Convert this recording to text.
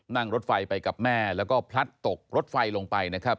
นั่งรถไฟไปกับแม่แล้วก็พลัดตกรถไฟลงไปนะครับ